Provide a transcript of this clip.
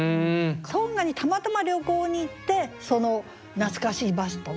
トンガにたまたま旅行に行ってその懐かしいバスと巡り合った。